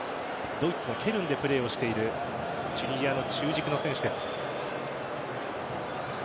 ドイツのケルンでプレーをしているチュニジアの中軸の選手です。